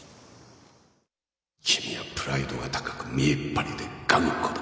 君はプライドが高く見えっ張りで頑固だ